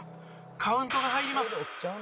カウントが入ります。